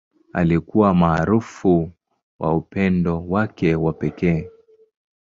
Alikuwa maarufu kwa upendo wake wa pekee.